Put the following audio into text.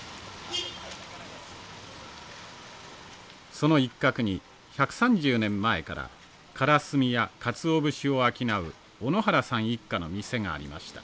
その一角に１３０年前からからすみやかつお節を商う小野原さん一家の店がありました。